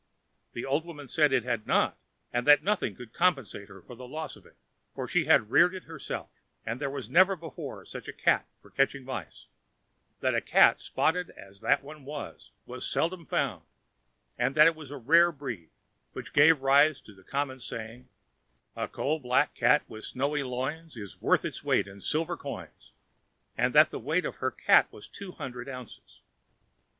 The old woman said it had not, and that nothing could compensate her for the loss of it, for she had reared it herself; that there was never before seen such a cat for catching mice; that a cat, spotted as that one was, was seldom found; and that it was of the rare breed which gave rise to the common saying: A coal black cat, with snowy loins, Is worth its weight in silver coins. and that the weight of her cat was two hundred ounces.